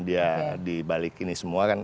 dia di balik ini semua kan